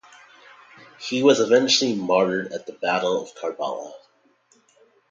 He was eventually martyred at the Battle of Karbala.